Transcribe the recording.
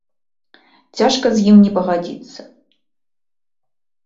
Цяжка з ім не пагадзіцца.